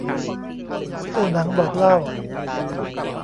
สู่หนังบอกเล่า